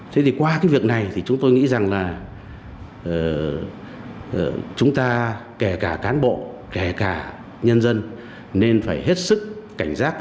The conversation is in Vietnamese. thế thì qua cái việc này thì chúng tôi nghĩ rằng là chúng ta kể cả cán bộ kể cả nhân dân nên phải hết sức cảnh giác